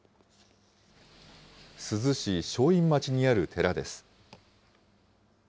珠洲市正院町にある寺です。